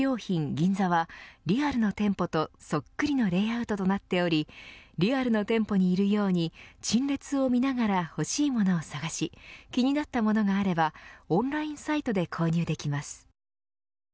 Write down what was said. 銀座はリアルの店舗とそっくりのレイアウトとなっておりリアルの店舗にいるように陳列を見ながら欲しい物を探し気になったものがあればオンラインサイトで購入できます。